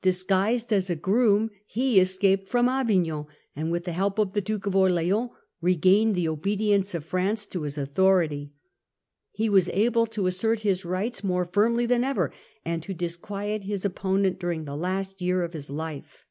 Disguised as a groom he escaped from Avignon, and with the help of the Duke of Orleans regained the obedience of France to his authority. He was able to assert his rights more firmly than ever, and to disquiet his opponent during the last year of his life.